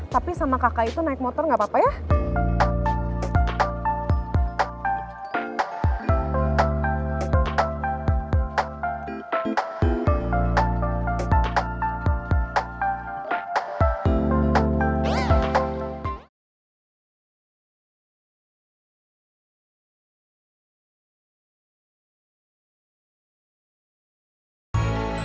tapi sama kakak itu naik motor gak apa apa ya